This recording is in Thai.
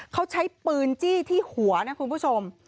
เขาใช้ปืนจี้ที่หัวนะคุณผู้ชม